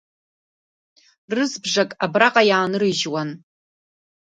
Рызбжак абраҟа иаанрыжьуан.